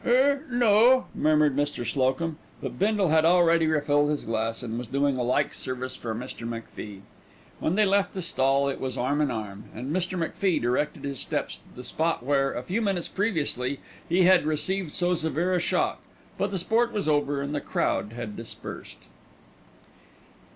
"Er ... no," murmured Mr. Slocum; but Bindle had already refilled his glass and was doing a like service for Mr. McFie. When they left the stall it was arm in arm, and Mr. McFie directed his steps to the spot where, a few minutes previously, he had received so severe a shock; but the sport was over and the crowd had dispersed.